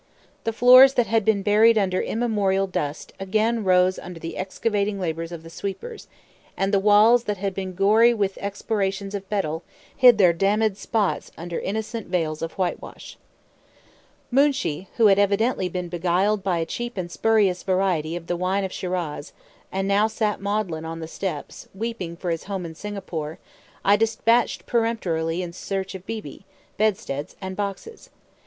The floors, that had been buried under immemorial dust, arose again under the excavating labors of the sweepers; and the walls, that had been gory with expectorations of betel, hid their "damnéd spots" under innocent veils of whitewash. Moonshee, who had evidently been beguiled by a cheap and spurious variety of the wine of Shiraz, and now sat maudlin on the steps, weeping for his home in Singapore, I despatched peremptorily in search of Beebe, bedsteads, and boxes.